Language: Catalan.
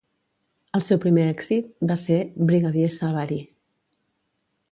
El seu primer èxit va ser "Brigadier Sabari".